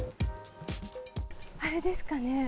あれですかね。